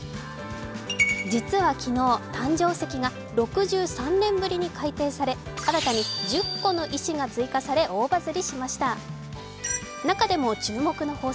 実は昨日、誕生石が６３年ぶりに改訂され新たに１０個の石が追加され大バズり。